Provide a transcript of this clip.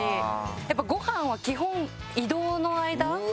やっぱご飯は基本移動の間車の中で。